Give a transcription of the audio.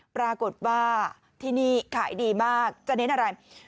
ปรากฏว่าที่นี่ขายดีมากจะเน้นอะไร